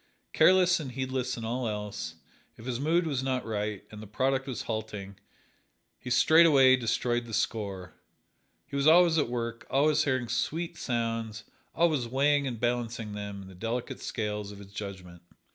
Careless and heedless in all else, if his mood was not right and the product was halting, he straightway destroyed the score. He was always at work, always hearing sweet sounds, always weighing and balancing them in the delicate scales of his judgment.